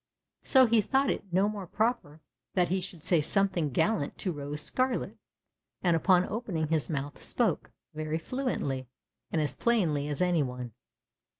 So he thought it no more than proper that he should say something gallant to Rose Scarlet, and u|)on opening his mouth spoke very fluently and as plainly as any one.